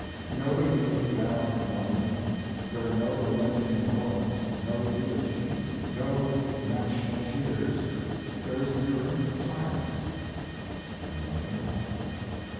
Nobody came down from London; there were no lamenting poems, no eulogies, no national tears—there was merely silence, and nothing more.